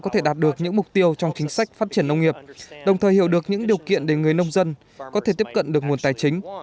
có thể đạt được những mục tiêu trong chính sách phát triển nông nghiệp đồng thời hiểu được những điều kiện để người nông dân có thể tiếp cận được nguồn tài chính